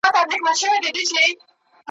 زولنې ځني بيريږي ,